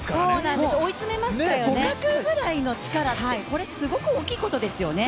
互角ぐらいの力って、これすごく大きいことですよね。